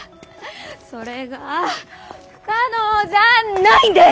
それが不可能じゃないんです！